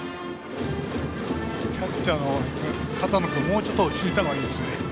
キャッチャーが片野君、もうちょっと落ち着いたほうがいいですね。